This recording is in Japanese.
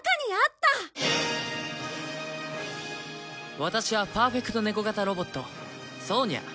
ワタシはパーフェクトネコ型ロボットソーニャ。